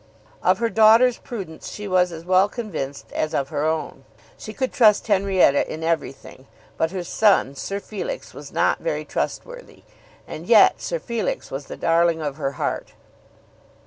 Of her daughter's prudence she was as well convinced as of her own. She could trust Henrietta in everything. But her son, Sir Felix, was not very trustworthy. And yet Sir Felix was the darling of her heart.